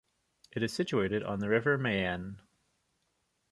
It is situated on the river Mayenne.